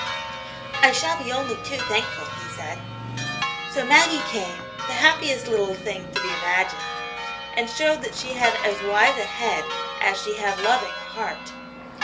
" I shall be only too thankful," he said. . So Maggie came, the happiest little thing to be imagined, and showed that she had as wise a head as she had loving a heart.